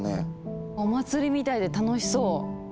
お祭りみたいで楽しそう。